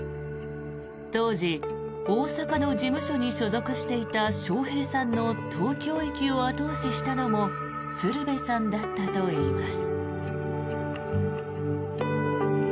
当時大阪の事務所に所属していた笑瓶さんの東京行きを後押ししたのも鶴瓶さんだったといいます。